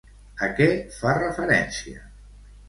A què fa referència?